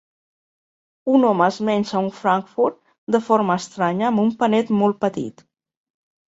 Un home es menja un frankfurt de forma estranya amb un panet molt petit.